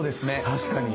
確かに。